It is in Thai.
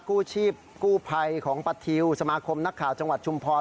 กู้ชีพกู้ภัยของประทิวสมาคมนักข่าวจังหวัดชุมพร